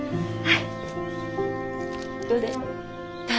はい。